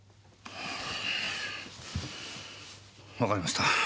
わかりました。